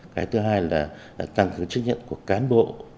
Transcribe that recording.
cái thứ hai là tăng hưởng dựa các chức nhận của cán bộ